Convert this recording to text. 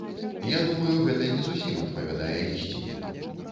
Я думаю, гэта не зусім адпавядае ісціне.